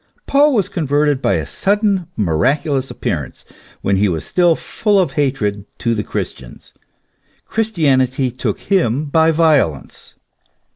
Paul was converted by a sudden miraculous appearance, when he was still full of hatred to the Christians. Christianity took him by violence.